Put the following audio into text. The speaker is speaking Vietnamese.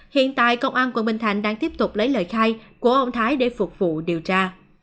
hiện tại công an quận bình thạnh đang tiếp tục lấy lời khai của ông thái để phục vụ điều tra